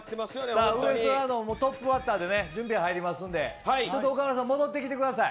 トップバッターで準備入りますので岡村さん、戻ってきてください。